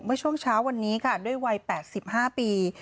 เมื่อช่วงเช้าวันนี้ค่ะด้วยวัย๘๕ปี